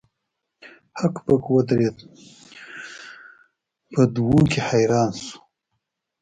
هک پک ودریده په دوه وو کې حیران شو.